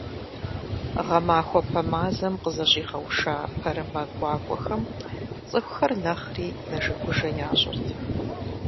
Гъэмахуэпэ мазэм къызэщӀигъэуша пэрымэ гуакӀуэхэм цӀыхухэр нэхъри нэжэгужэ ящӀырт.